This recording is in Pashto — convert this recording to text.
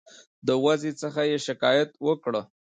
د وضع څخه یې شکایت وکړ.